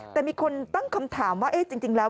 แต่มีคนตั้งคำถามว่าเอ๊ะจริงแล้ว